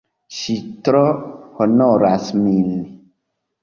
Ŝi tro honoras min!